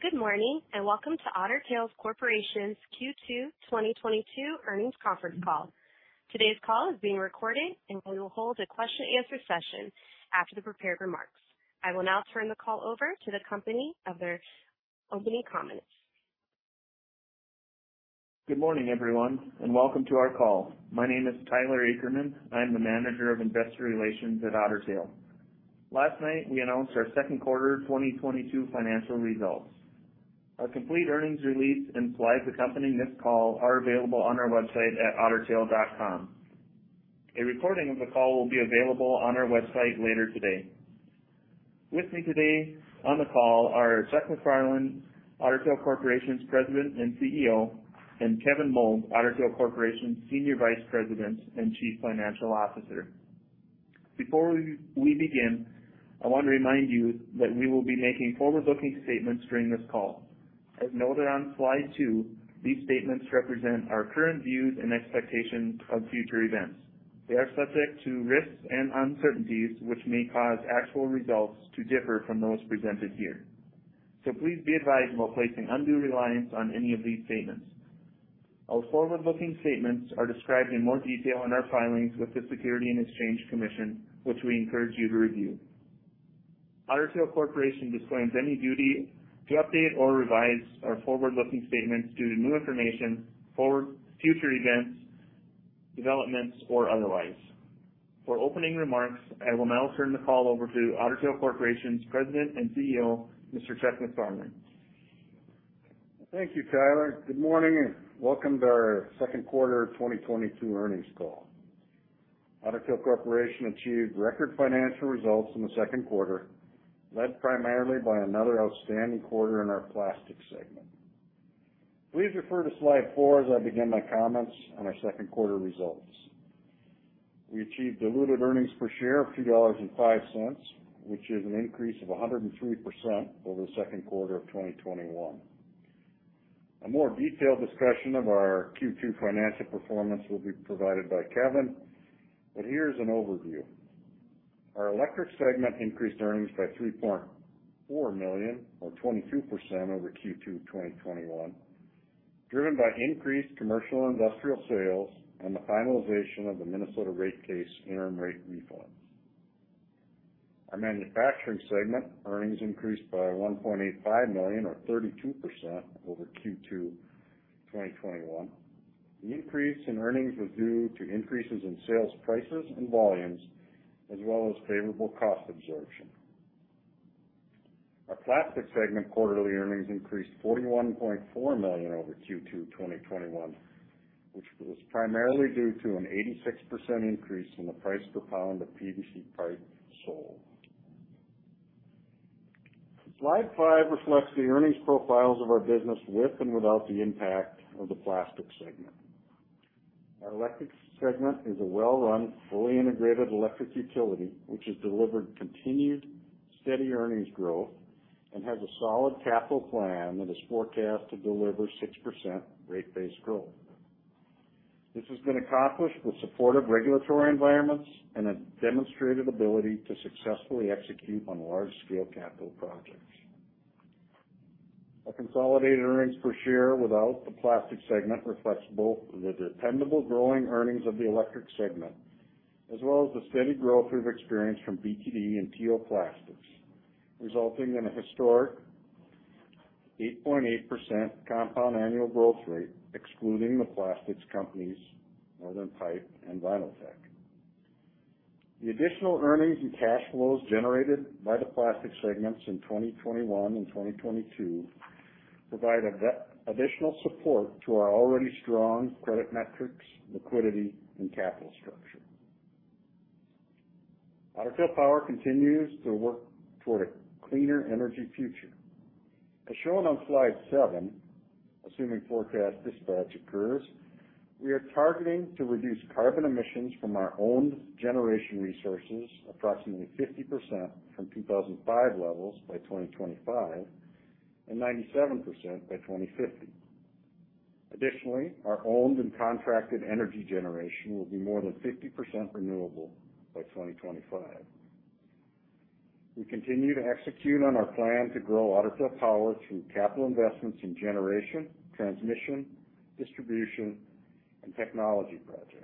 Good morning, and welcome to Otter Tail Corporation's Q2 2022 earnings conference call. Today's call is being recorded, and we will hold a question answer session after the prepared remarks. I will now turn the call over to the company for their opening comments. Good morning, everyone, and welcome to our call. My name is Tyler Akerman. I'm the Manager of Investor Relations at Otter Tail. Last night, we announced our second quarter 2022 financial results. A complete earnings release and slides accompanying this call are available on our website at ottertail.com. A recording of the call will be available on our website later today. With me today on the call are Chuck MacFarlane, Otter Tail Corporation's President and CEO, and Kevin Moug, Otter Tail Corporation's Senior Vice President and Chief Financial Officer. Before we begin, I want to remind you that we will be making forward-looking statements during this call. As noted on slide two, these statements represent our current views and expectations of future events. They are subject to risks and uncertainties, which may cause actual results to differ from those presented here. Please be advised about placing undue reliance on any of these statements. Our forward-looking statements are described in more detail in our filings with the Securities and Exchange Commission, which we encourage you to review. Otter Tail Corporation disclaims any duty to update or revise our forward-looking statements due to new information, future events, developments, or otherwise. For opening remarks, I will now turn the call over to Otter Tail Corporation's President and CEO, Mr. Chuck MacFarlane. Thank you, Tyler. Good morning, and welcome to our second quarter 2022 earnings call. Otter Tail Corporation achieved record financial results in the second quarter, led primarily by another outstanding quarter in our Plastics segment. Please refer to slide four as I begin my comments on our second quarter results. We achieved diluted earnings per share of $2.05, which is an increase of 103% over the second quarter of 2021. A more detailed discussion of our Q2 financial performance will be provided by Kevin, but here's an overview. Our Electric segment increased earnings by $3.4 million or 22% over Q2 2021, driven by increased commercial industrial sales and the finalization of the Minnesota rate case interim rate reform. Our Manufacturing segment earnings increased by $1.85 million or 32% over Q2 2021. The increase in earnings was due to increases in sales prices and volumes, as well as favorable cost absorption. Our Plastic segment quarterly earnings increased $41.4 million over Q2 2021, which was primarily due to an 86% increase in the price per pound of PVC pipe sold. Slide five reflects the earnings profiles of our business with and without the impact of the Plastic segment. Our Electric segment is a well-run, fully integrated electric utility, which has delivered continued steady earnings growth and has a solid capital plan that is forecast to deliver 6% rate-based growth. This has been accomplished with supportive regulatory environments and a demonstrated ability to successfully execute on large-scale capital projects. Our consolidated earnings per share without the Plastic segment reflects both the dependable growing earnings of the Electric segment, as well as the steady growth we've experienced from BTD and T.O. Plastics, resulting in a historic 8.8% compound annual growth rate, excluding the plastics companies, Northern Pipe and Vinyltech. The additional earnings and cash flows generated by the Plastic segments in 2021 and 2022 provide additional support to our already strong credit metrics, liquidity, and capital structure. Otter Tail Power continues to work toward a cleaner energy future. As shown on slide seven, assuming forecast dispatch occurs, we are targeting to reduce carbon emissions from our owned generation resources approximately 50% from 2005 levels by 2025 and 97% by 2050. Additionally, our owned and contracted energy generation will be more than 50% renewable by 2025. We continue to execute on our plan to grow Otter Tail Power through capital investments in generation, transmission, distribution, and technology projects.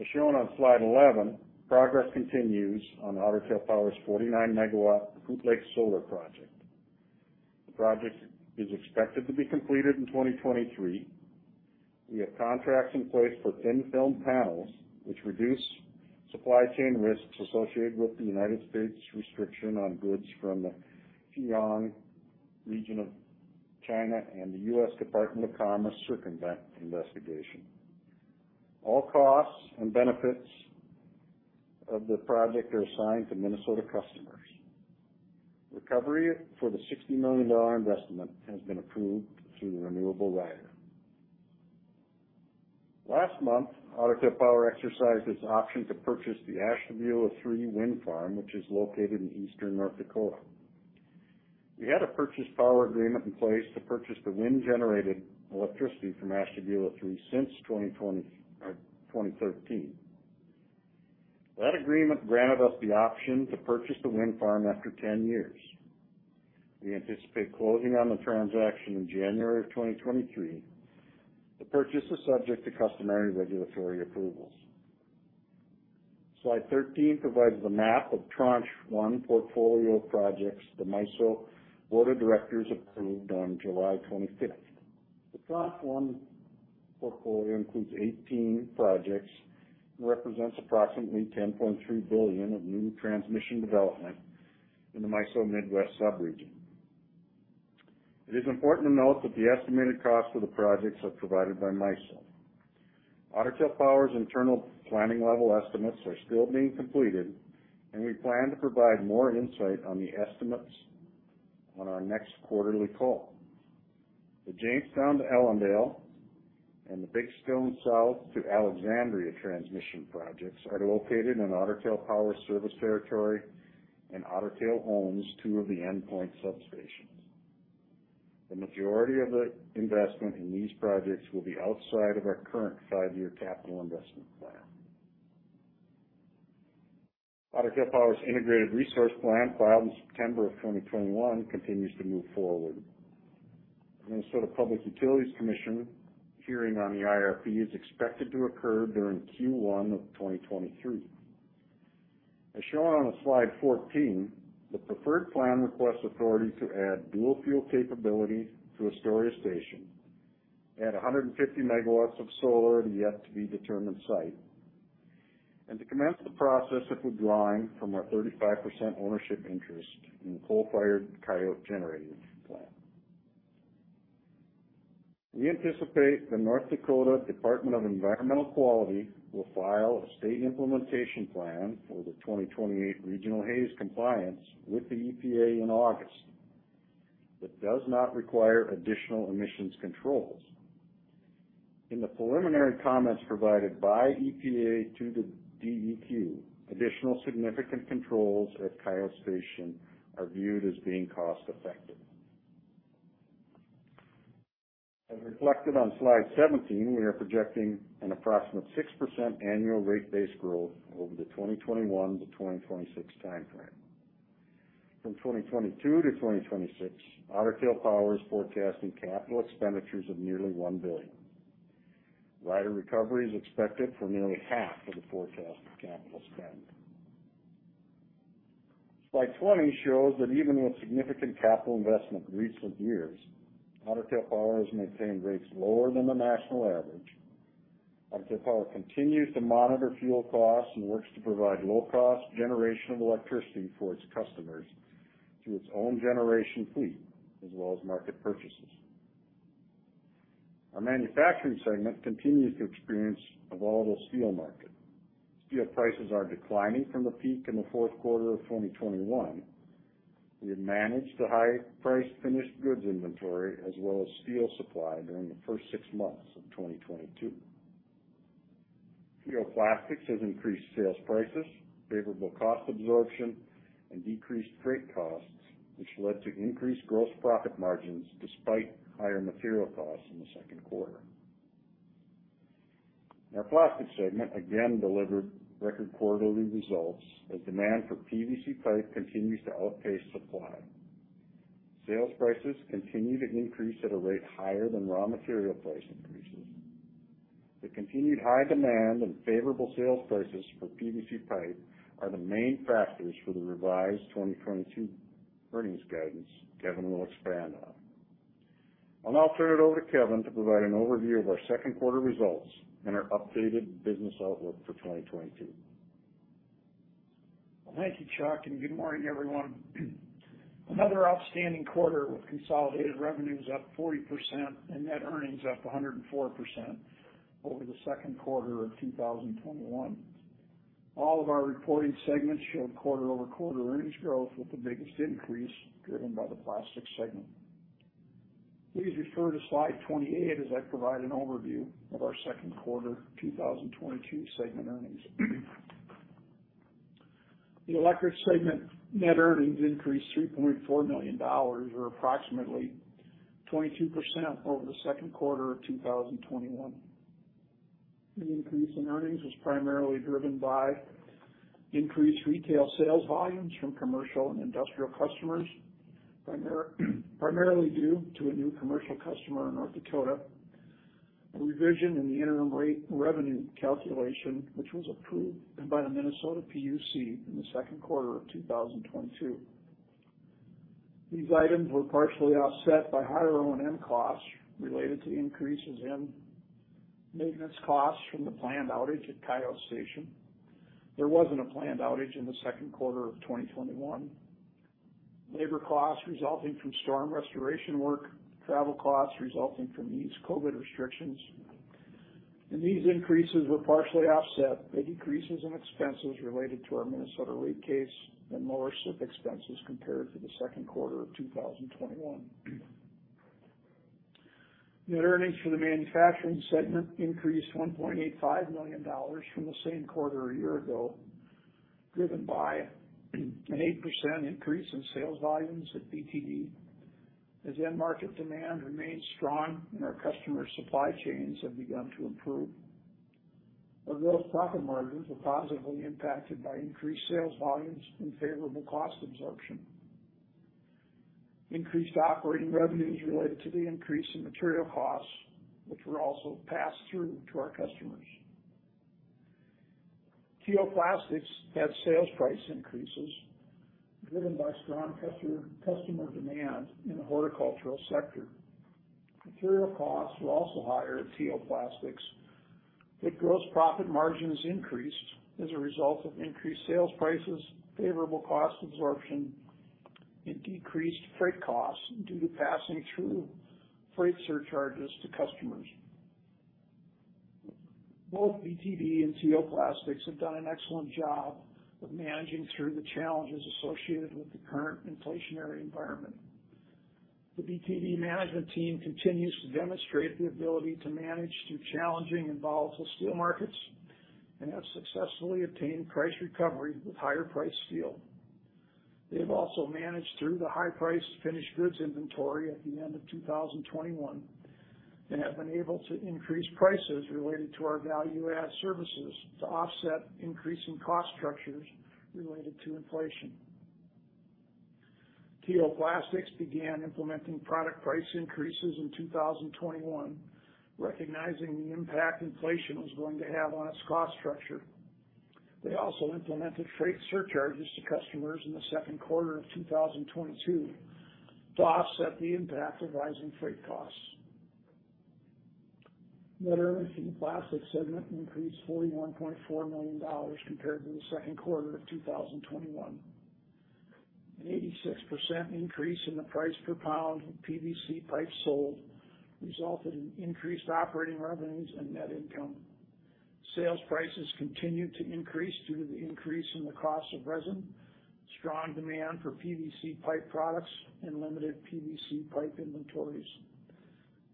As shown on slide 11, progress continues on Otter Tail Power's 49 MW Hoot Lake Solar project. The project is expected to be completed in 2023. We have contracts in place for thin-film panels, which reduce supply chain risks associated with the United States restriction on goods from the Xinjiang region of China and the U.S. Department of Commerce circumvention investigation. All costs and benefits of the project are assigned to Minnesota customers. Recovery for the $60 million investment has been approved through the renewable rider. Last month, Otter Tail Power exercised its option to purchase the Ashtabula III wind farm, which is located in eastern North Dakota. We had a purchase power agreement in place to purchase the wind-generated electricity from Ashtabula III since 2013. That agreement granted us the option to purchase the wind farm after 10 years. We anticipate closing on the transaction in January 2023. The purchase is subject to customary regulatory approvals. Slide 13 provides a map of Tranche 1 portfolio projects the MISO Board of Directors approved on July 25th. The Tranche 1 portfolio includes 18 projects and represents approximately $10.3 billion of new transmission development in the MISO Midwest sub-region. It is important to note that the estimated costs for the projects are provided by MISO. Otter Tail Power's internal planning-level estimates are still being completed, and we plan to provide more insight on the estimates on our next quarterly call. The Jamestown to Ellendale and the Big Stone South to Alexandria transmission projects are located in Otter Tail Power's service territory, and Otter Tail owns two of the endpoint substations. The majority of the investment in these projects will be outside of our current five-year capital investment plan. Otter Tail Power's Integrated Resource Plan, filed in September of 2021, continues to move forward. The Minnesota Public Utilities Commission hearing on the IRP is expected to occur during Q1 of 2023. As shown on slide 14, the preferred plan requests authority to add dual-fuel capability to Astoria Station, add 150 MW of solar at a yet-to-be-determined site, and to commence the process of withdrawing from our 35% ownership interest in coal-fired Coyote Generating Plant. We anticipate the North Dakota Department of Environmental Quality will file a state implementation plan for the 2028 regional haze compliance with the EPA in August. That does not require additional emissions controls. In the preliminary comments provided by EPA to the DEQ, additional significant controls at Coyote Station are viewed as being cost-effective. As reflected on slide 17, we are projecting an approximate 6% annual rate base growth over the 2021-2026 timeframe. From 2022-2026, Otter Tail Power is forecasting capital expenditures of nearly $1 billion. Rider recovery is expected for nearly half of the forecasted capital spend. Slide 20 shows that even with significant capital investment in recent years, Otter Tail Power has maintained rates lower than the national average. Otter Tail Power continues to monitor fuel costs and works to provide low-cost generation of electricity for its customers through its own generation fleet, as well as market purchases. Our Manufacturing segment continues to experience a volatile steel market. Steel prices are declining from the peak in the fourth quarter of 2021. We have managed high-priced finished goods inventory as well as steel supply during the first six months of 2022. Steel and plastics have increased sales prices, favorable cost absorption, and decreased freight costs, which led to increased gross profit margins despite higher material costs in the second quarter. Our Plastics segment again delivered record quarterly results as demand for PVC pipe continues to outpace supply. Sales prices continue to increase at a rate higher than raw material price increases. The continued high demand and favorable sales prices for PVC pipe are the main factors for the revised 2022 earnings guidance Kevin will expand on. I'll now turn it over to Kevin to provide an overview of our second quarter results and our updated business outlook for 2022. Thank you, Chuck, and good morning, everyone. Another outstanding quarter with consolidated revenues up 40% and net earnings up 104% over the second quarter of 2021. All of our reporting segments showed quarter-over-quarter earnings growth, with the biggest increase driven by the Plastics segment. Please refer to slide 28 as I provide an overview of our second quarter 2022 segment earnings. The Electric segment net earnings increased $3.4 million, or approximately 22% over the second quarter of 2021. The increase in earnings was primarily driven by increased retail sales volumes from commercial and industrial customers, primarily due to a new commercial customer in North Dakota. A revision in the interim rate revenue calculation, which was approved by the Minnesota PUC in the second quarter of 2022. These items were partially offset by higher O&M costs related to increases in maintenance costs from the planned outage at Coyote Station. There wasn't a planned outage in the second quarter of 2021. Labor costs resulting from storm restoration work, travel costs resulting from these COVID restrictions. These increases were partially offset by decreases in expenses related to our Minnesota rate case and lower SIP expenses compared to the second quarter of 2021. Net earnings for the Manufacturing segment increased $1.85 million from the same quarter a year ago, driven by an 8% increase in sales volumes at BTD. As end market demand remains strong and our customer supply chains have begun to improve. Our gross profit margins were positively impacted by increased sales volumes and favorable cost absorption. Increased operating revenues related to the increase in material costs, which were also passed through to our customers. T.O. Plastics had sales price increases driven by strong customer demand in the horticultural sector. Material costs were also higher at T.O. Plastics, but gross profit margins increased as a result of increased sales prices, favorable cost absorption, and decreased freight costs due to passing through freight surcharges to customers. Both BTD and T.O. Plastics have done an excellent job of managing through the challenges associated with the current inflationary environment. The BTD management team continues to demonstrate the ability to manage through challenging and volatile steel markets, and have successfully obtained price recovery with higher-priced steel. They have also managed through the high-priced finished goods inventory at the end of 2021, and have been able to increase prices related to our value-add services to offset increasing cost structures related to inflation. T.O. Plastics began implementing product price increases in 2021, recognizing the impact inflation was going to have on its cost structure. They also implemented freight surcharges to customers in the second quarter of 2022 to offset the impact of rising freight costs. Net earnings in the Plastics segment increased $41.4 million compared to the second quarter of 2021. An 86% increase in the price per pound of PVC pipe sold resulted in increased operating revenues and net income. Sales prices continued to increase due to the increase in the cost of resin, strong demand for PVC pipe products, and limited PVC pipe inventories.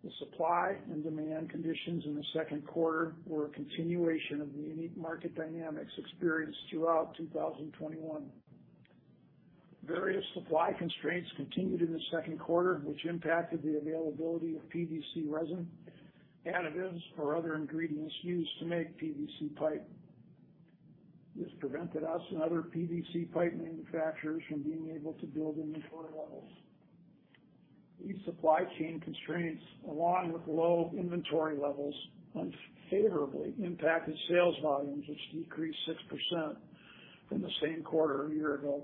The supply and demand conditions in the second quarter were a continuation of the unique market dynamics experienced throughout 2021. Various supply constraints continued in the second quarter, which impacted the availability of PVC resin, additives or other ingredients used to make PVC pipe. This prevented us and other PVC pipe manufacturers from being able to build inventory levels. These supply chain constraints, along with low inventory levels, unfavorably impacted sales volumes, which decreased 6% from the same quarter a year ago.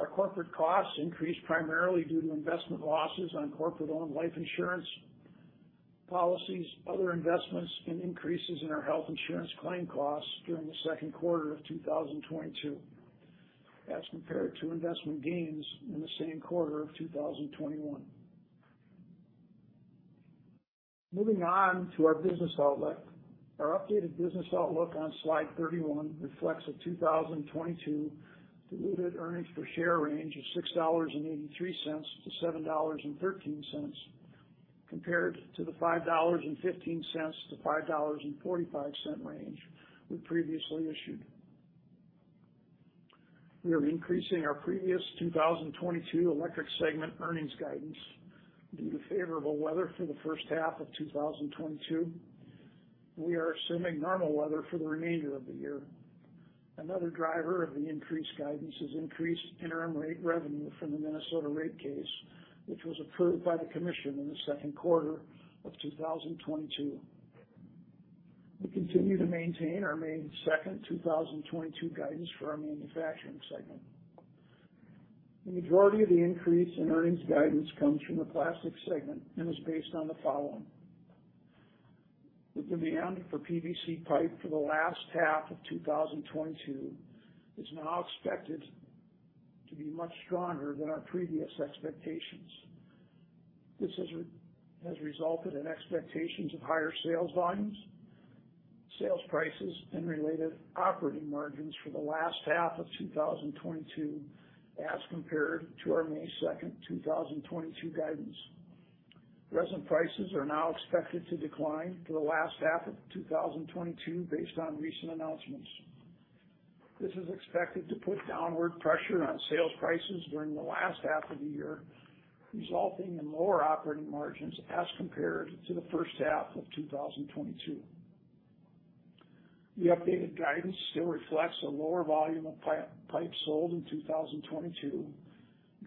Our corporate costs increased primarily due to investment losses on corporate-owned life insurance policies, other investments, and increases in our health insurance claim costs during the second quarter of 2022. That's compared to investment gains in the same quarter of 2021. Moving on to our business outlook. Our updated business outlook on slide 31 reflects a 2022 diluted earnings per share range of $6.83-$7.13, compared to the $5.15-$5.45 range we previously issued. We are increasing our previous 2022 Electric segment earnings guidance due to favorable weather for the first half of 2022. We are assuming normal weather for the remainder of the year. Another driver of the increased guidance is increased interim rate revenue from the Minnesota rate case, which was approved by the commission in the second quarter of 2022. We continue to maintain our May 2nd, 2022 guidance for our Manufacturing segment. The majority of the increase in earnings guidance comes from the Plastics segment and is based on the following. The demand for PVC pipe for the last half of 2022 is now expected to be much stronger than our previous expectations. This has resulted in expectations of higher sales volumes, sales prices, and related operating margins for the last half of 2022 as compared to our May 2nd, 2022 guidance. Resin prices are now expected to decline for the last half of 2022 based on recent announcements. This is expected to put downward pressure on sales prices during the last half of the year, resulting in lower operating margins as compared to the first half of 2022. The updated guidance still reflects a lower volume of PVC pipes sold in 2022,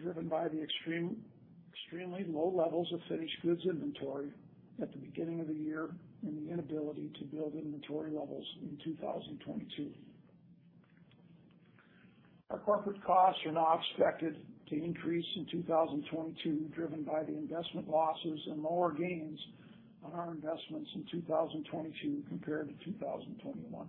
driven by the extremely low levels of finished goods inventory at the beginning of the year and the inability to build inventory levels in 2022. Our corporate costs are now expected to increase in 2022, driven by the investment losses and lower gains on our investments in 2022 compared to 2021.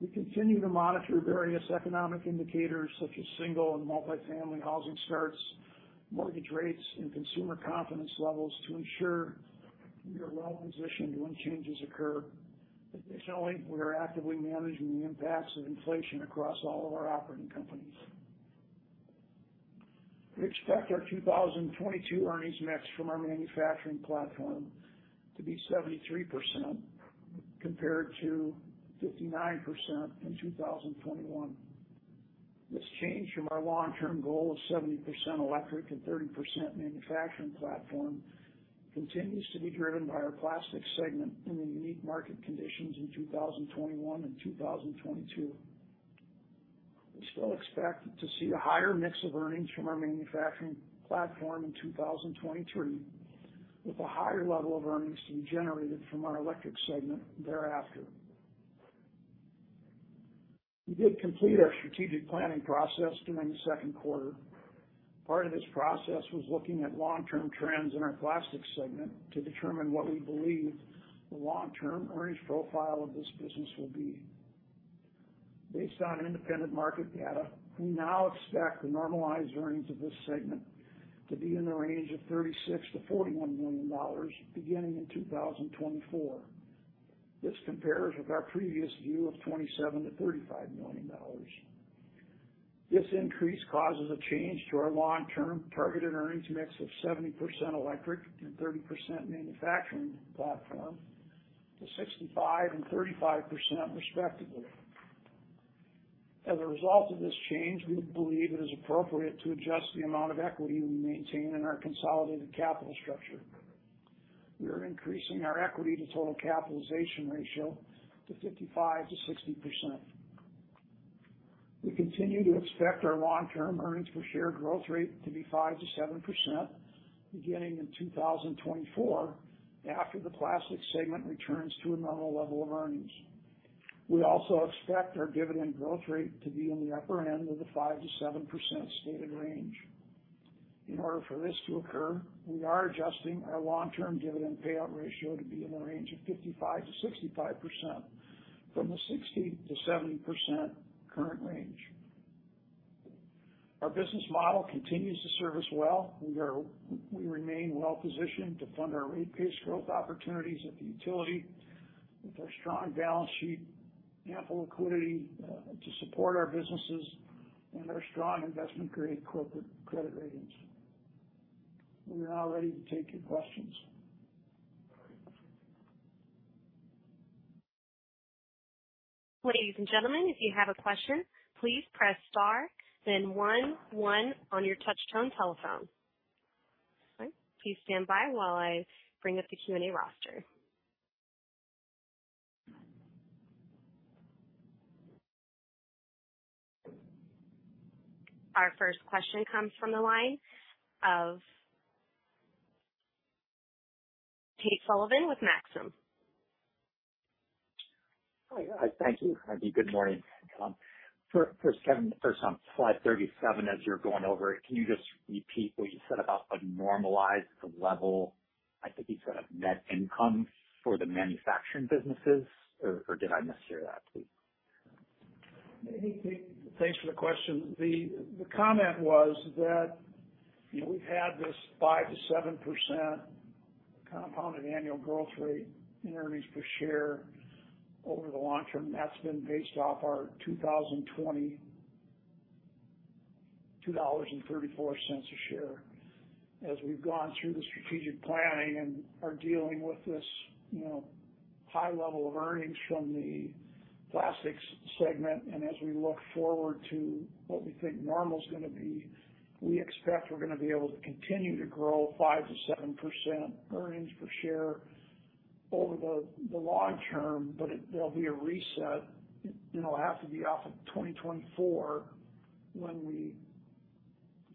We continue to monitor various economic indicators such as single and multi-family housing starts, mortgage rates, and consumer confidence levels to ensure we are well-positioned when changes occur. Additionally, we are actively managing the impacts of inflation across all of our operating companies. We expect our 2022 earnings mix from our Manufacturing platform to be 73% compared to 59% in 2021. This change from our long-term goal of 70% Electric and 30% Manufacturing platform continues to be driven by our Plastics segment in the unique market conditions in 2021 and 2022. We still expect to see a higher mix of earnings from our Manufacturing platform in 2023, with a higher level of earnings to be generated from our Electric segment thereafter. We did complete our strategic planning process during the second quarter. Part of this process was looking at long-term trends in our Plastics segment to determine what we believe the long-term earnings profile of this business will be. Based on independent market data, we now expect the normalized earnings of this segment to be in the range of $36 million-$41 million beginning in 2024. This compares with our previous view of $27 million-$35 million. This increase causes a change to our long-term targeted earnings mix of 70% Electric and 30% Manufacturing platform to 65% and 35%, respectively. As a result of this change, we believe it is appropriate to adjust the amount of equity we maintain in our consolidated capital structure. We are increasing our equity to total capitalization ratio to 55%-60%. We continue to expect our long-term earnings per share growth rate to be 5%-7% beginning in 2024 after the Plastic segment returns to a normal level of earnings. We also expect our dividend growth rate to be in the upper end of the 5%-7% stated range. In order for this to occur, we are adjusting our long-term dividend payout ratio to be in the range of 55%-65% from the 60%-70% current range. Our business model continues to serve us well. We remain well positioned to fund our rate-based growth opportunities at the utility with our strong balance sheet, ample liquidity, to support our businesses and our strong investment-grade corporate credit ratings. We are now ready to take your questions. Ladies and gentlemen, if you have a question, please press star then one on your touch-tone telephone. All right. Please stand by while I bring up the Q&A roster. Our first question comes from the line of Tate Sullivan with Maxim. Hi. Thank you. Good morning. For Kevin, first on slide 37 as you're going over it, can you just repeat what you said about a normalized level? I think you said a net income for the manufacturing businesses, or did I mishear that, please? Hey, Tate. Thanks for the question. The comment was that, you know, we've had this 5%-7% compounded annual growth rate in earnings per share over the long term. That's been based off our 2020 $2.34 a share. As we've gone through the strategic planning and are dealing with this, you know, high level of earnings from the Plastics segment and as we look forward to what we think normal is gonna be, we expect we're gonna be able to continue to grow 5%-7% earnings per share over the long term, but there'll be a reset. It'll have to be off of 2024 when we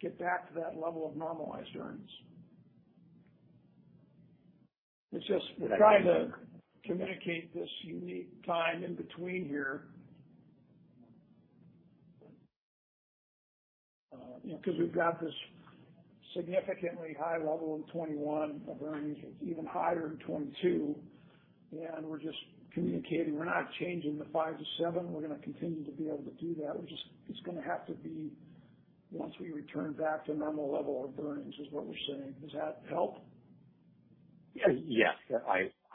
get back to that level of normalized earnings. It's just we're trying to communicate this unique time in between here. You know, 'cause we've got this significantly high level in 2021 of earnings. It's even higher in 2022. We're just communicating. We're not changing the 5%-7%. We're gonna continue to be able to do that. It's gonna have to be once we return back to normal level of earnings, what we're saying. Does that help? Yeah. Yes.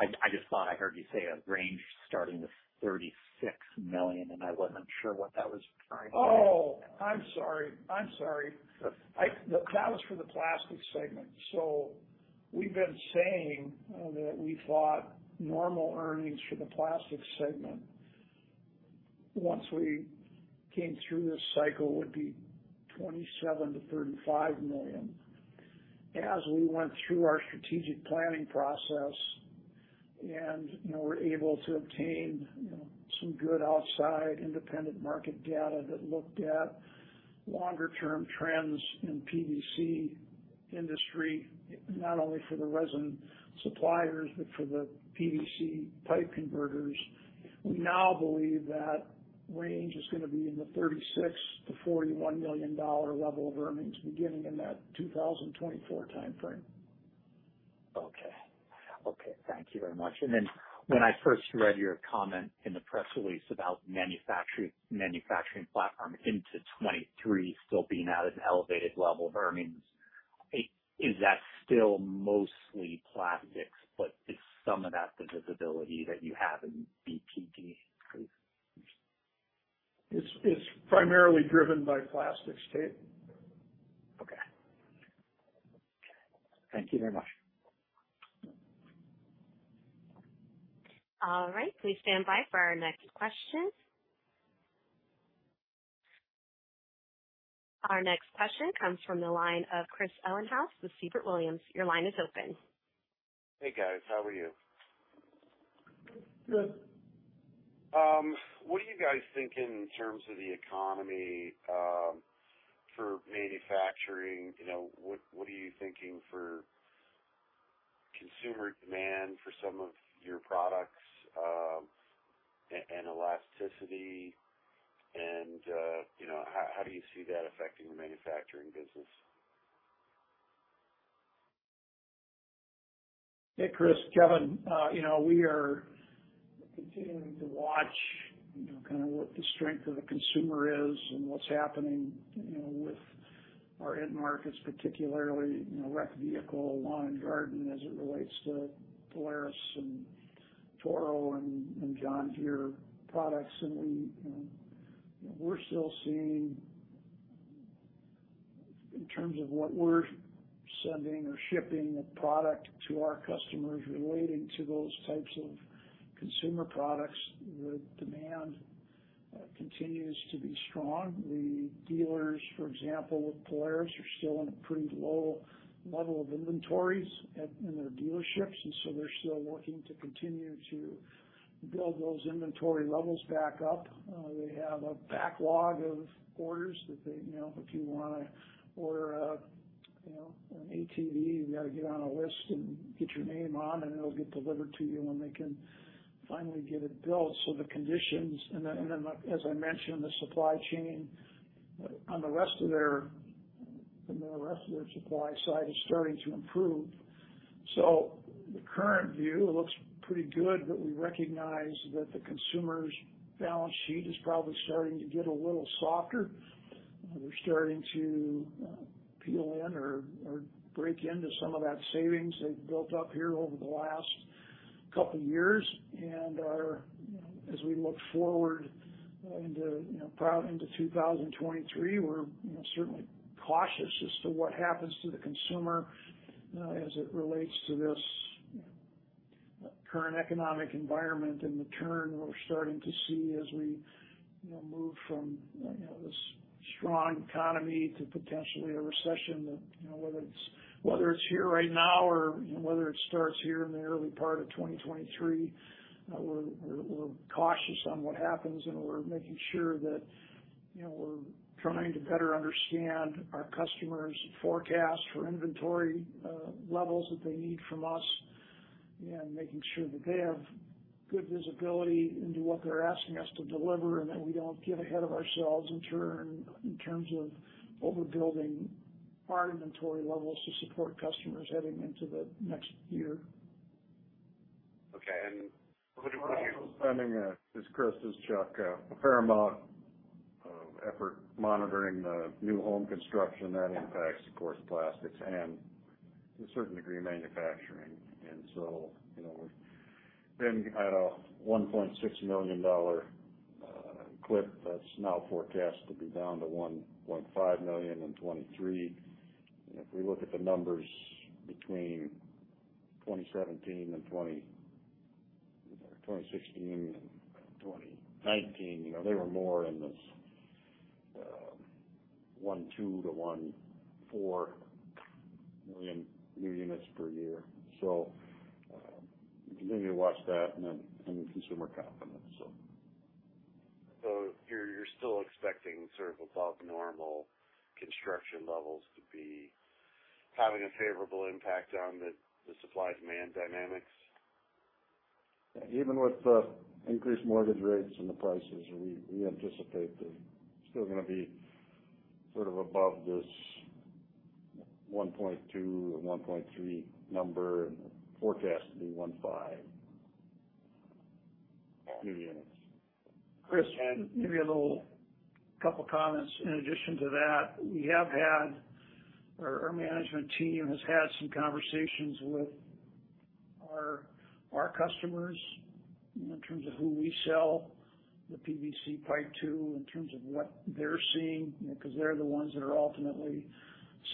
I just thought I heard you say a range starting with $36 million, and I wasn't sure what that was trying to. Oh, I'm sorry. That was for the Plastics segment. We've been saying that we thought normal earnings for the Plastics segment, once we came through this cycle, would be $27 million-$35 million. As we went through our strategic planning process, and, you know, we're able to obtain, you know, some good outside independent market data that looked at longer term trends in PVC industry, not only for the resin suppliers, but for the PVC pipe converters, we now believe that range is gonna be in the $36 million-$41 million level of earnings beginning in that 2024 timeframe. Okay, thank you very much. When I first read your comment in the press release about Manufacturing platform into 2023 still being at an elevated level of earnings, is that still mostly Plastics? Is some of that the visibility that you have in BTD, please? It's primarily driven by Plastics, Tate. Okay. Thank you very much. All right. Please stand by for our next question. Our next question comes from the line of Chris Ellinghaus with Siebert Williams. Your line is open. Hey, guys. How are you? Good. What do you guys think in terms of the economy for Manufacturing? You know, what are you thinking for consumer demand for some of your products, and elasticity and, you know, how do you see that affecting the manufacturing business? Hey, Chris. Kevin. You know, we are continuing to watch, you know, kind of what the strength of the consumer is and what's happening, you know, with our end markets, particularly, you know, rec vehicle, lawn and garden as it relates to Polaris and Toro and John Deere products. We, you know, we're still seeing, in terms of what we're sending or shipping the product to our customers relating to those types of consumer products, the demand continues to be strong. The dealers, for example, with Polaris are still in a pretty low level of inventories at in their dealerships, and so they're still looking to continue to build those inventory levels back up. They have a backlog of orders that they, you know, if you wanna order a, you know, an ATV, you gotta get on a list and get your name on, and it'll get delivered to you when they can finally get it built. As I mentioned, the supply chain on the rest of their, you know, the rest of their supply side is starting to improve. The current view looks pretty good, but we recognize that the consumer's balance sheet is probably starting to get a little softer. They're starting to dip in or break into some of that savings they've built up here over the last couple years. Our, you know, as we look forward into, you know, into 2023, we're, you know, certainly cautious as to what happens to the consumer as it relates to this, you know, current economic environment and the turn we're starting to see as we, you know, move from, you know, this strong economy to potentially a recession that, you know, whether it's here right now or, you know, whether it starts here in the early part of 2023, we're cautious on what happens, and we're making sure that, you know, we're trying to better understand our customers' forecast for inventory levels that they need from us and making sure that they have good visibility into what they're asking us to deliver and that we don't get ahead of ourselves in terms of overbuilding our inventory levels to support customers heading into the next year. Okay. What are your. We're also spending, as Chris does, Chuck, a fair amount of effort monitoring the new home construction. That impacts, of course, Plastics and to a certain degree, Manufacturing. We've been at a $1.6 million clip that's now forecast to be down to $1.5 million in 2023. If we look at the numbers between 2016 and 2019, they were more in this 1.2 million-1.4 million new units per year. Continue to watch that and consumer confidence. You're still expecting sort of above normal construction levels to be having a favorable impact on the supply-demand dynamics? Even with the increased mortgage rates and the prices, we anticipate that it's still gonna be sort of above this 1.2 million or 1.3 million number and forecast to be 1.5 million units. Chris, maybe a little couple comments in addition to that. Our management team has had some conversations with our customers in terms of who we sell the PVC pipe to, in terms of what they're seeing. You know, 'cause they're the ones that are ultimately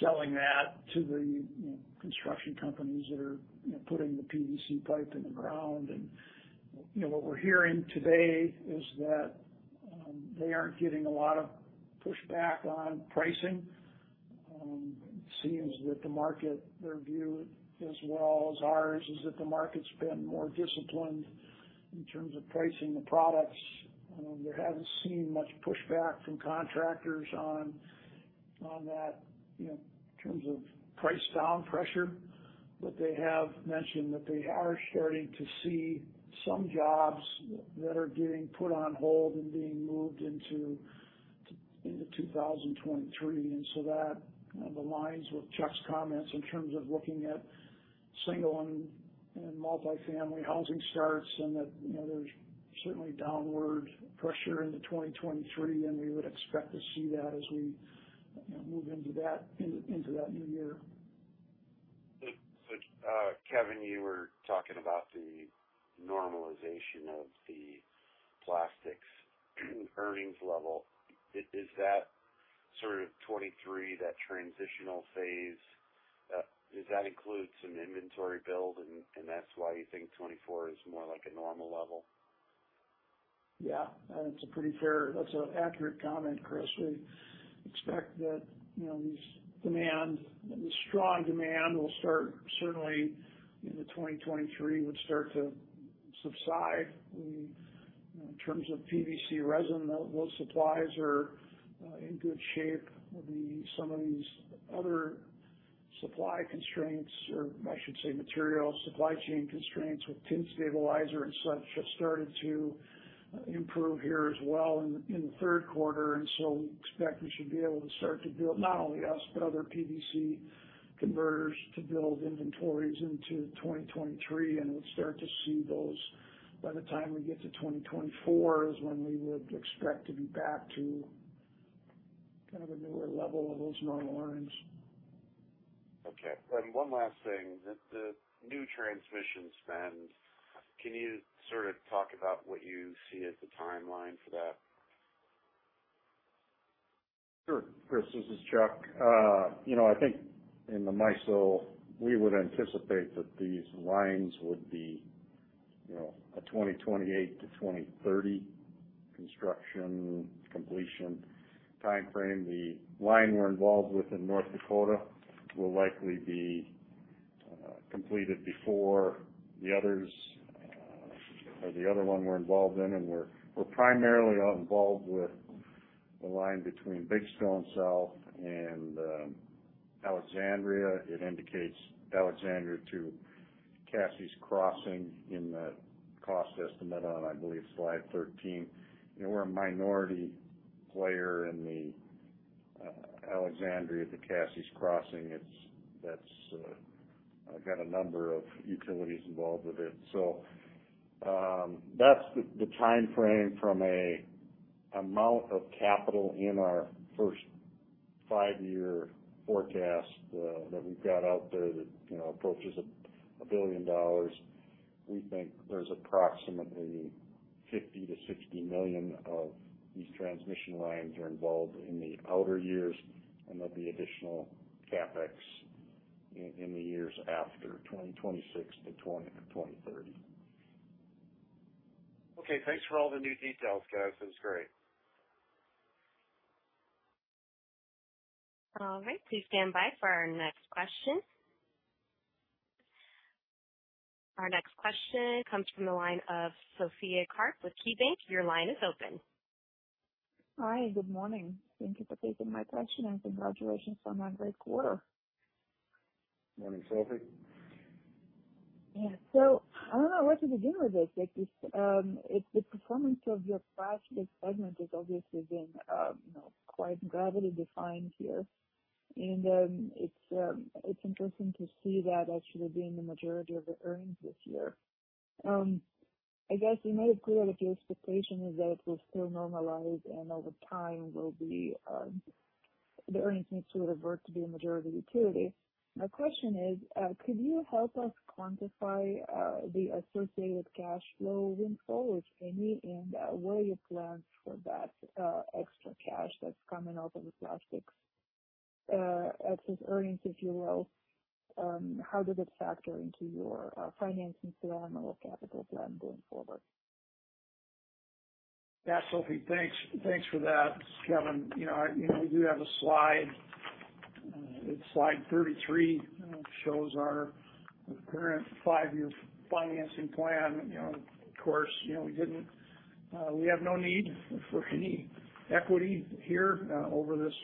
selling that to the, you know, construction companies that are, you know, putting the PVC pipe in the ground. You know, what we're hearing today is that they aren't getting a lot of pushback on pricing. It seems that the market, their view as well as ours, is that the market's been more disciplined in terms of pricing the products. They haven't seen much pushback from contractors on that, you know, in terms of price down pressure. They have mentioned that they are starting to see some jobs that are getting put on hold and being moved into 2023. That kind of aligns with Chuck's comments in terms of looking at single and multifamily housing starts and that, you know, there's certainly downward pressure into 2023, and we would expect to see that as we, you know, move into that new year. Kevin, you were talking about the normalization of the Plastics earnings level. Is that sort of 2023, that transitional phase, does that include some inventory build and that's why you think 2024 is more like a normal level? Yeah, that's a pretty fair. That's an accurate comment, Chris. We expect that, you know, the strong demand will start certainly into 2023 would start to subside. We, you know, in terms of PVC resin, those supplies are in good shape. Some of these other supply constraints, or I should say material supply chain constraints with tin stabilizer and such have started to improve here as well in the third quarter. We expect we should be able to start to build, not only us, but other PVC converters to build inventories into 2023. We'll start to see those by the time we get to 2024 is when we would expect to be back to kind of a newer level of those normal earnings. Okay. One last thing. The new transmission spend, can you sort of talk about what you see as the timeline for that? Sure. Chris, this is Chuck. You know, I think in the MISO, we would anticipate that these lines would be, you know, a 2028-2030 construction completion timeframe. The line we're involved with in North Dakota will likely be completed before the others or the other one we're involved in. We're primarily involved with the line between Big Stone South and Alexandria. It indicates Alexandria to Cassie's Crossing in the cost estimate on, I believe, slide 13. You know, we're a minority player in the Alexandria to Cassie's Crossing. That's got a number of utilities involved with it. That's the timeframe from an amount of capital in our first five-year forecast that we've got out there that, you know, approaches $1 billion. We think there's approximately 50 million-60 million of these transmission lines are involved in the outer years, and there'll be additional CapEx in the years after 2026 to 2030. Okay. Thanks for all the new details, guys. That's great. All right. Please stand by for our next question. Our next question comes from the line of Sophie Karp with KeyBanc. Your line is open. Hi. Good morning. Thank you for taking my question, and congratulations on a great quarter. Morning, Sophie. Yeah. I don't know where to begin with this. The performance of your Plastics segment is obviously been, you know, quite gravity-defying here. It's interesting to see that actually being the majority of the earnings this year. I guess you made it clear that the expectation is that it will still normalize and over time will be the earnings mix will revert to be a majority utility. My question is, could you help us quantify the associated cash flow windfall, if any, and what are your plans for that extra cash that's coming out of the Plastics excess earnings, if you will? How does it factor into your financing plan or capital plan going forward? Yeah. Sophie, thanks for that. Kevin, you know, I, you know, we do have a slide. It's slide 33. You know, shows our current five-year financing plan. You know, of course, you know, we didn't, we have no need for any equity here, over this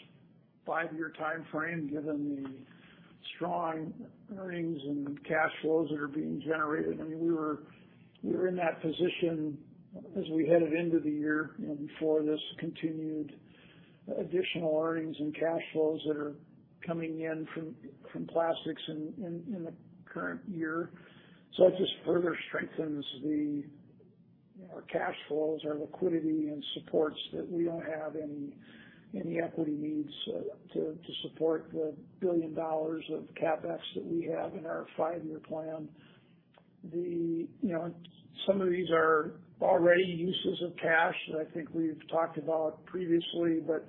five-year timeframe, given the strong earnings and cash flows that are being generated. I mean, we were in that position as we headed into the year, you know, before this continued additional earnings and cash flows that are coming in from Plastics in the current year. It just further strengthens our cash flows, our liquidity, and supports that we don't have any equity needs to support the $1 billion of CapEx that we have in our five-year plan. You know, some of these are already uses of cash that I think we've talked about previously, but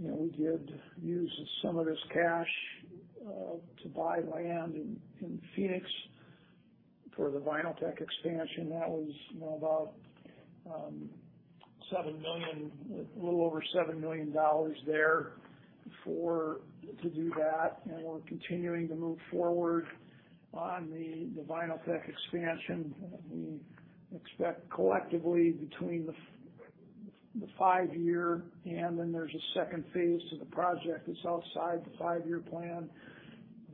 you know, we did use some of this cash to buy land in Phoenix for the Vinyltech expansion. That was you know, about a little over $7 million there to do that. We're continuing to move forward on the Vinyltech expansion. We expect collectively between the five-year and then there's a second phase of the project that's outside the five-year plan.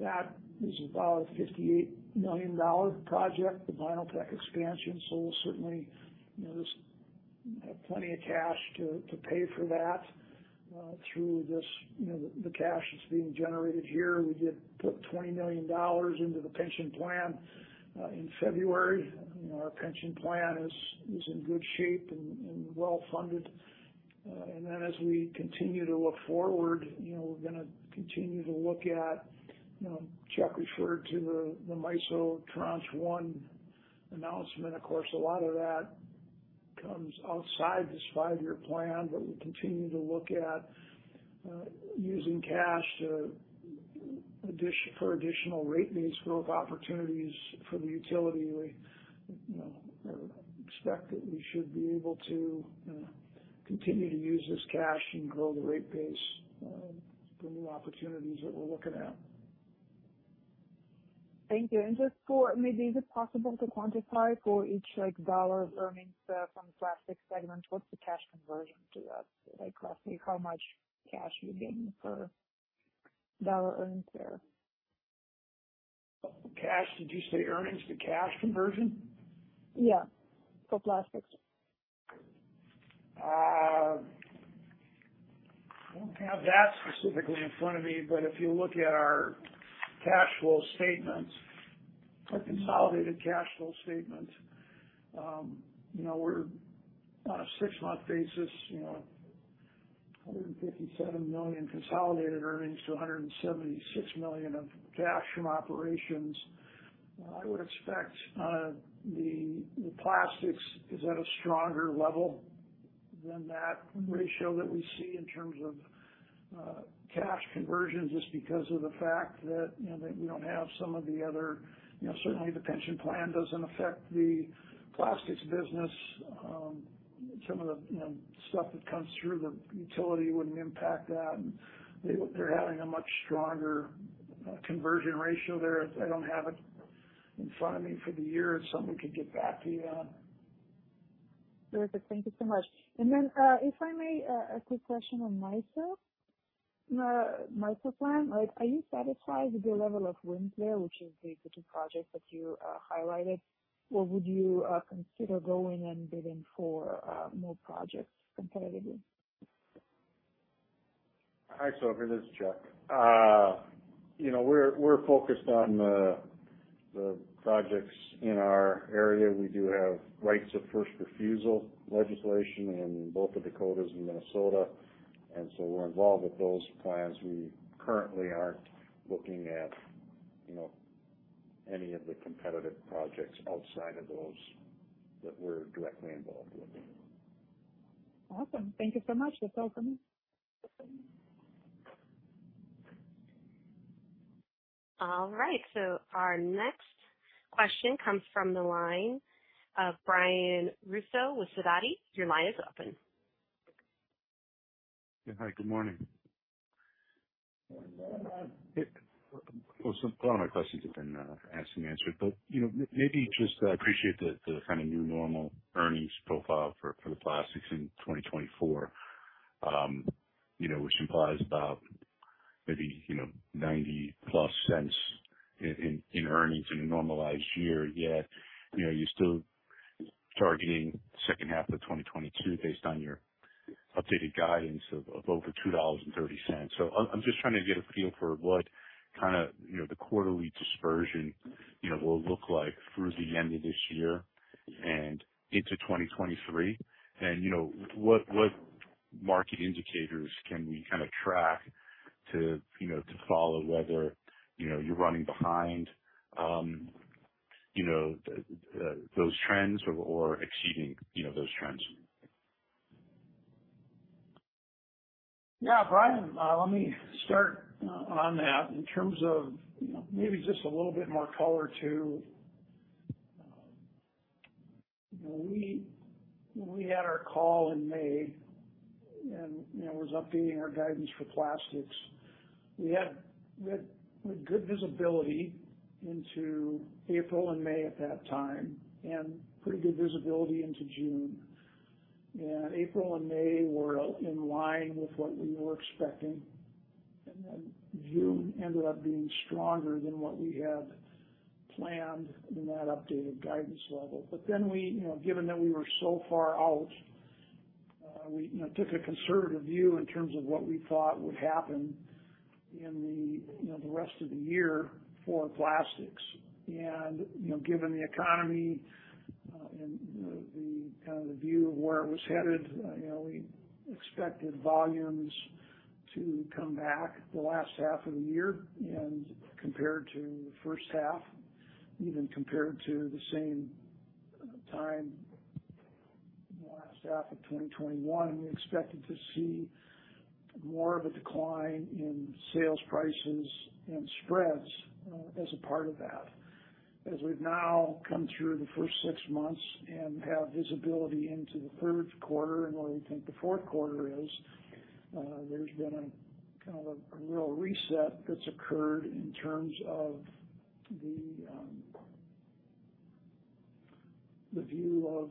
That is about a $58 million project, the Vinyltech expansion. We'll certainly you know, there's plenty of cash to pay for that through this you know, the cash that's being generated here. We did put $20 million into the pension plan in February. You know, our pension plan is in good shape and well-funded. Then as we continue to look forward, you know, we're gonna continue to look at, you know, Chuck referred to the MISO Tranche 1 announcement. Of course, a lot of that comes outside this five-year plan, but we'll continue to look at using cash for additional rate base growth opportunities for the utility. We, you know, expect that we should be able to continue to use this cash and grow the rate base, the new opportunities that we're looking at. Thank you. Just maybe is it possible to quantify for each, like, dollar of earnings from the Plastics segment, what's the cash conversion to that? Like, roughly how much cash you're getting per dollar earned there? Did you say earnings to cash conversion? Yeah, for Plastics. I don't have that specifically in front of me, but if you look at our cash flow statements, our consolidated cash flow statement, you know, we're on a six-month basis, you know, $157 million consolidated earnings to $176 million of cash from operations. I would expect the Plastics is at a stronger level than that ratio that we see in terms of cash conversion, just because of the fact that, you know, that we don't have some of the other, you know, certainly the pension plan doesn't affect the plastics business. Some of the, you know, stuff that comes through the utility wouldn't impact that. They're having a much stronger conversion ratio there. I don't have it in front of me for the year. Someone could get back to you on it. Perfect. Thank you so much. Then, if I may, quick question on MISO. MISO plan, like, are you satisfied with your level of wind there, which is the two projects that you highlighted? Or would you consider going and bidding for more projects competitively? Hi, Sophie, this is Chuck. You know, we're focused on the projects in our area. We do have Right of First Refusal legislation in both the Dakotas and Minnesota, so we're involved with those plans. We currently aren't looking at, you know, any of the competitive projects outside of those that we're directly involved with. Awesome. Thank you so much. That's all for me. All right. Our next question comes from the line of Brian Russo with Sidoti. Your line is open. Yeah. Hi, good morning. Good morning. Well, a lot of my questions have been asked and answered, but you know, maybe just appreciate the kind of new normal earnings profile for the plastics in 2024, you know, which implies about maybe $0.90+ in earnings in a normalized year. Yet, you know, you're still targeting second half of 2022 based on your updated guidance of over $2.30. I'm just trying to get a feel for what kind of the quarterly dispersion you know will look like through the end of this year and into 2023. You know, what market indicators can we kind of track to you know to follow whether you know you're running behind those trends or exceeding those trends? Yeah, Brian, let me start on that. In terms of, you know, maybe just a little bit more color to when we had our call in May and, you know, was updating our guidance for Plastics, we had good visibility into April and May at that time, and pretty good visibility into June. April and May were in line with what we were expecting, and then June ended up being stronger than what we had planned in that updated guidance level. We, you know, given that we were so far out, we, you know, took a conservative view in terms of what we thought would happen in the, you know, the rest of the year for plastics. You know, given the economy and the kind of view of where it was headed, you know, we expected volumes to come back the last half of the year. Compared to the first half, even compared to the same time, the last half of 2021, we expected to see more of a decline in sales prices and spreads as a part of that. As we've now come through the first six months and have visibility into the third quarter and where we think the fourth quarter is, there's been a kind of a little reset that's occurred in terms of the view of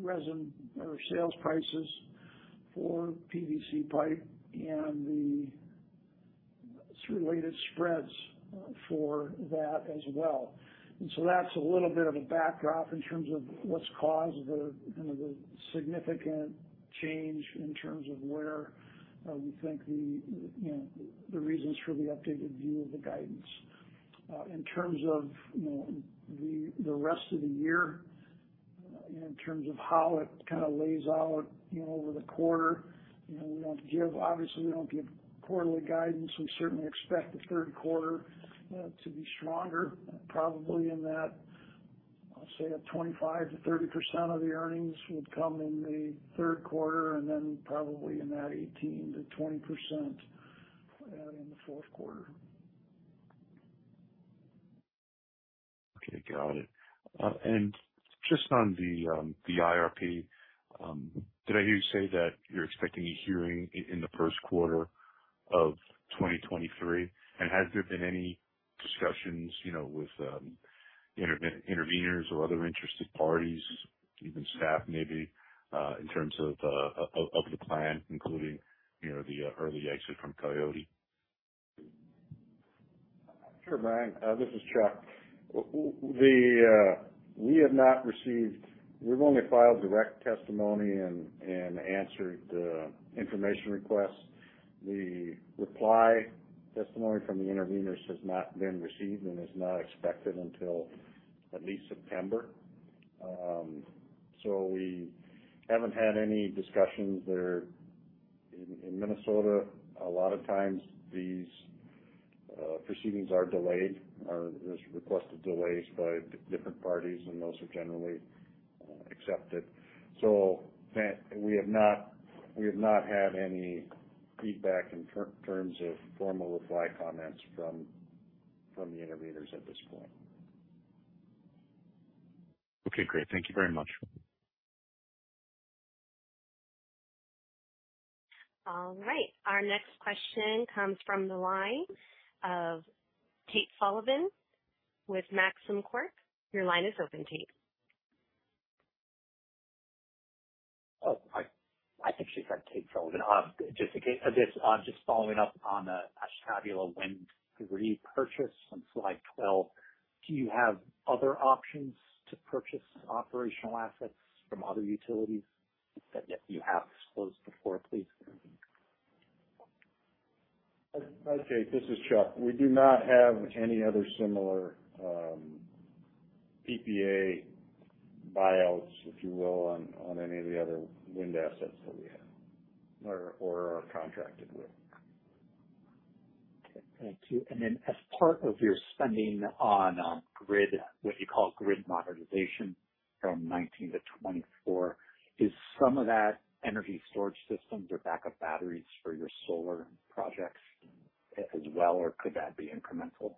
resin and sales prices for PVC pipe and the related spreads for that as well. That's a little bit of a backdrop in terms of what's caused the kind of the significant change in terms of where we think the, you know, the reasons for the updated view of the guidance. In terms of the rest of the year, in terms of how it kind of lays out over the quarter, you know, we obviously don't give quarterly guidance. We certainly expect the third quarter to be stronger, probably in that, I'll say that 25%-30% of the earnings would come in the third quarter and then probably in that 18%-20% in the fourth quarter. Okay. Got it. Just on the IRP, did I hear you say that you're expecting a hearing in the first quarter of 2023? Has there been any discussions, you know, with intervenors or other interested parties, even staff maybe, in terms of of the plan, including, you know, the early exit from Coyote? Sure, Brian. This is Chuck. We have not received. We've only filed direct testimony and answered the information requests. The reply testimony from the intervenors has not been received and is not expected until at least September. We haven't had any discussions there. In Minnesota, a lot of times these proceedings are delayed, or there's requested delays by different parties, and those are generally accepted. We have not had any feedback in terms of formal reply comments from the intervenors at this point. Okay, great. Thank you very much. All right. Our next question comes from the line of Tate Sullivan with Maxim Corp. Your line is open, Tate. I think she said Tate Sullivan. Just in case. Yes. Just following up on the Ashtabula Wind repurchase on slide 12. Do you have other options to purchase operational assets from other utilities that you haven't disclosed before, please? Hi, Tate. This is Chuck. We do not have any other similar PPA buyouts, if you will, on any of the other wind assets that we have or are contracted with. Okay. Thank you. As part of your spending on grid, what you call grid modernization from 2019 to 2024, is some of that energy storage systems or backup batteries for your solar projects as well, or could that be incremental?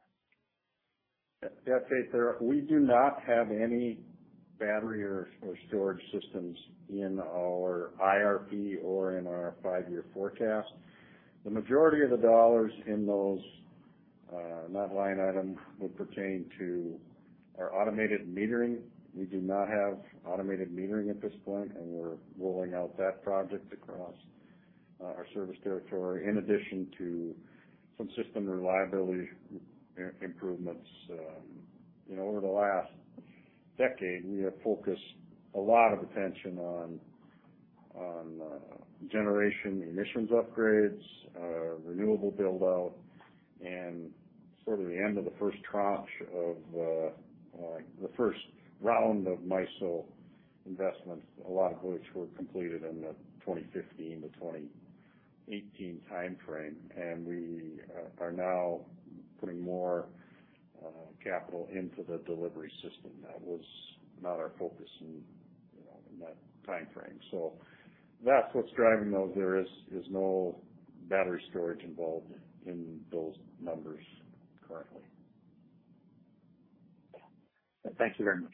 Yeah, Tate, there we do not have any battery or storage systems in our IRP or in our five-year forecast. The majority of the dollars in those, that line item would pertain to our automated metering. We do not have automated metering at this point, and we're rolling out that project across our service territory in addition to some system reliability improvements. You know, over the last decade, we have focused a lot of attention on generation emissions upgrades, renewable build-out, and sort of the end of the first tranche of the first round of MISO investments, a lot of which were completed in the 2015-2018 timeframe. We are now putting more capital into the delivery system. That was not our focus in, you know, in that timeframe. That's what's driving those. There is no battery storage involved in those numbers currently. Thank you very much.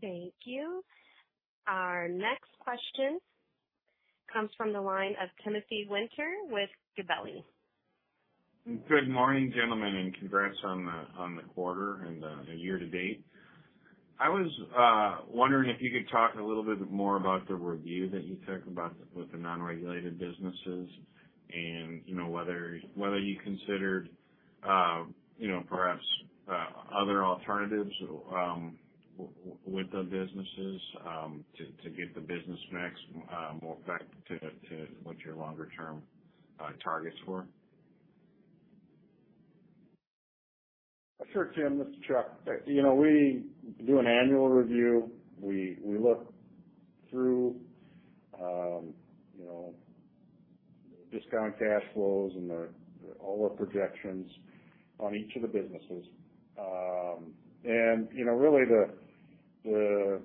Thank you. Our next question comes from the line of Timothy Winter with Gabelli. Good morning, gentlemen, and congrats on the quarter and the year to date. I was wondering if you could talk a little bit more about the review that you took about with the non-regulated businesses and, you know, whether you considered, you know, perhaps, other alternatives, with the businesses, to get the business mix, more back to what your longer term targets were. Sure, Tim, this is Chuck. You know, we do an annual review. We look through you know, discounted cash flows and all the projections on each of the businesses. You know, really the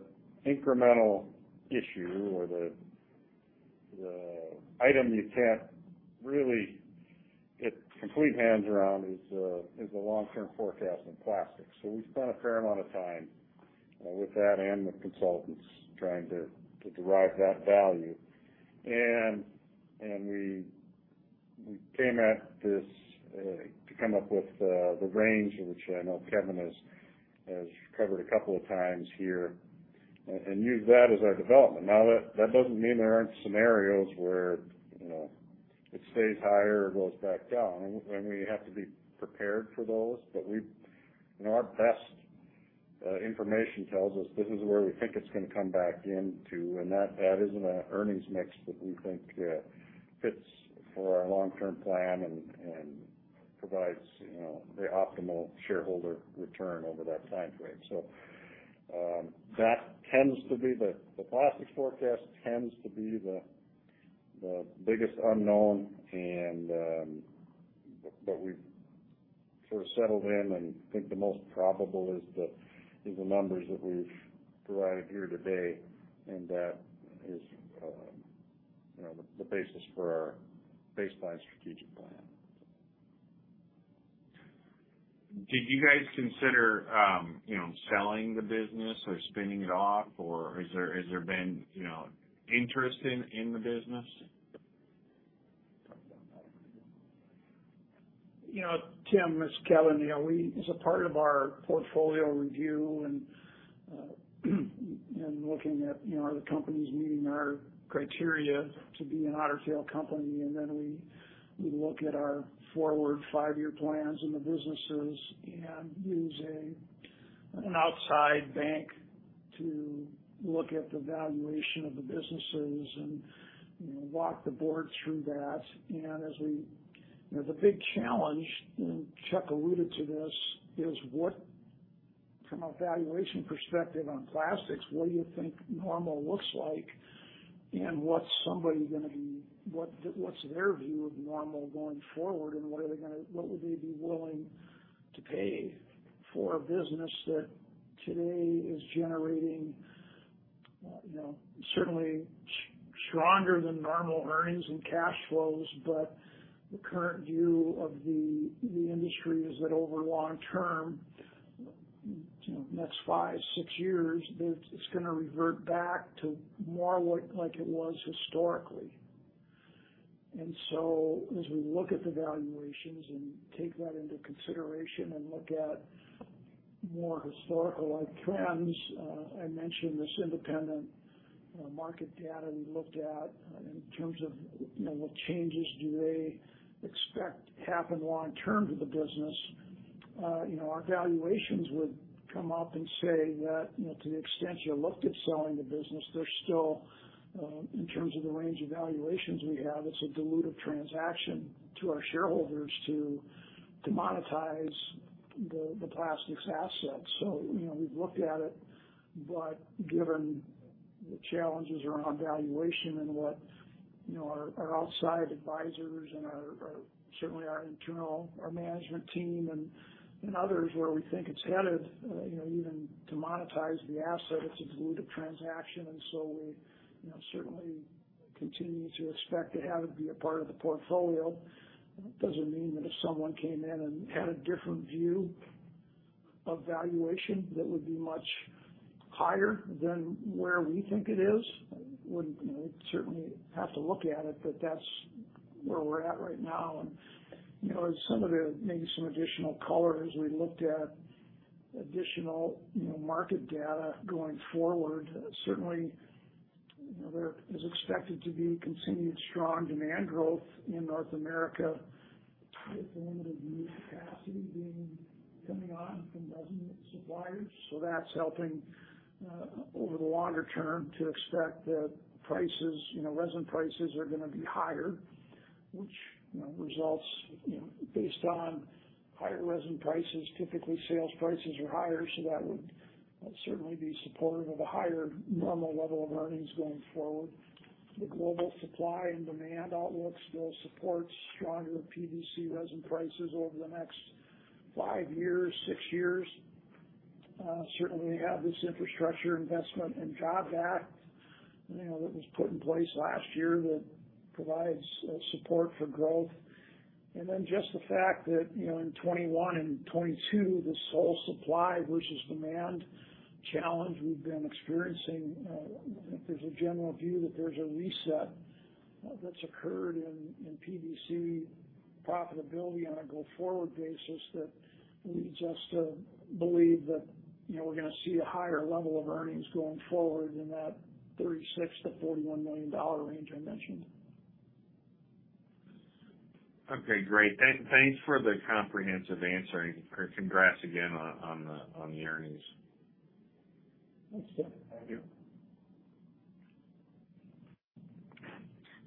incremental issue or the item you can't really get your hands around is the long-term forecast in plastics. We've spent a fair amount of time with that and with consultants trying to derive that value. We came at this to come up with the range which I know Kevin has covered a couple of times here and use that as our development. Now that doesn't mean there aren't scenarios where you know, it stays higher or goes back down, and we have to be prepared for those. We've. You know, our best information tells us this is where we think it's gonna come back into, and that isn't an earnings mix that we think fits for our long-term plan and provides, you know, the optimal shareholder return over that time frame. The Plastics forecast tends to be the biggest unknown. We've sort of settled in and think the most probable is the numbers that we've provided here today, and that is, you know, the basis for our baseline strategic plan. Did you guys consider, you know, selling the business or spinning it off? Or has there been, you know, interest in the business? Talk about that. You know, Tim, this is Kevin. You know, as a part of our portfolio review and looking at, you know, are the companies meeting our criteria to be an Otter Tail company, and then we look at our forward five-year plans in the businesses and use an outside bank to look at the valuation of the businesses and, you know, walk the board through that. You know, the big challenge, and Chuck alluded to this, is what from a valuation perspective on Plastics, what do you think normal looks like and what's their view of normal going forward, and what are they gonna. What would they be willing to pay for a business that today is generating, you know, certainly stronger than normal earnings and cash flows, but the current view of the industry is that over long term, you know, next five, six years, that it's gonna revert back to more like it was historically. As we look at the valuations and take that into consideration and look at more historical, like, trends, I mentioned this independent, you know, market data we looked at in terms of, you know, what changes do they expect to happen long term to the business. You know, our valuations would come up and say that, you know, to the extent you looked at selling the business, there's still, in terms of the range of valuations we have, it's a dilutive transaction to our shareholders to monetize the Plastics assets. You know, we've looked at it. Given the challenges around valuation and what, you know, our outside advisors and our certainly our internal management team and others, where we think it's headed, you know, even to monetize the asset, it's a dilutive transaction. We, you know, certainly continue to expect to have it be a part of the portfolio. That doesn't mean that if someone came in and had a different view of valuation that would be much higher than where we think it is, wouldn't. You know, we'd certainly have to look at it, but that's where we're at right now. You know, as some of the, maybe some additional color as we looked at additional, you know, market data going forward, certainly, you know, there is expected to be continued strong demand growth in North America with limited new capacity being, coming on from resident suppliers. That's helping over the longer term to expect that prices, you know, resin prices are gonna be higher, which, you know, results, you know, based on higher resin prices, typically sales prices are higher, so that would certainly be supportive of a higher normal level of earnings going forward. The global supply and demand outlooks will support stronger PVC resin prices over the next five years, six years. Certainly we have this Infrastructure Investment and Jobs Act, you know, that was put in place last year that provides support for growth. Then just the fact that, you know, in 2021 and 2022, this whole supply versus demand challenge we've been experiencing, there's a general view that there's a reset that's occurred in PVC profitability on a go-forward basis that we just believe that, you know, we're gonna see a higher level of earnings going forward in that $36 million-$41 million range I mentioned. Okay, great. Thanks for the comprehensive answer, and congrats again on the earnings. Thanks, Tim. Thank you.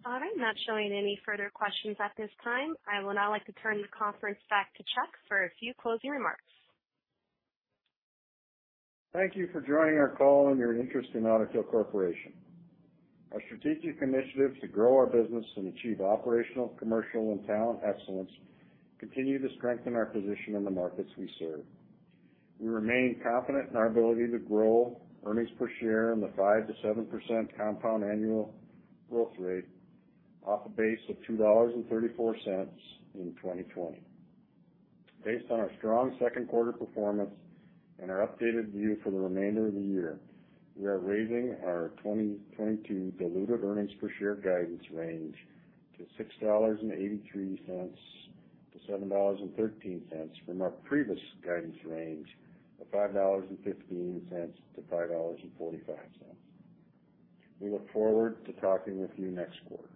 All right. Not showing any further questions at this time. I will now like to turn the conference back to Chuck for a few closing remarks. Thank you for joining our call and your interest in Otter Tail Corporation. Our strategic initiatives to grow our business and achieve operational, commercial, and talent excellence continue to strengthen our position in the markets we serve. We remain confident in our ability to grow earnings per share in the 5%-7% CAGR off a base of $2.34 in 2020. Based on our strong second quarter performance and our updated view for the remainder of the year, we are raising our 2022 diluted earnings per share guidance range to $6.83-$7.13 from our previous guidance range of $5.15-$5.45. We look forward to talking with you next quarter.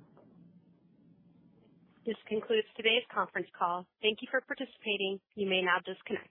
This concludes today's conference call. Thank you for participating. You may now disconnect.